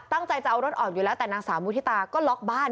ตั้งใจจะเอารถออกอยู่แล้วแต่นางสาวมุฒิตาก็ล็อกบ้าน